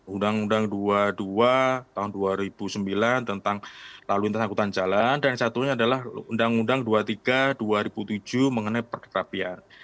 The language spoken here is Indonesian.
undang undang dua puluh dua tahun dua ribu sembilan tentang lalu lintas angkutan jalan dan satunya adalah undang undang dua puluh tiga dua ribu tujuh mengenai perkerapian